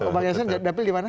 bang jansen dapil di mana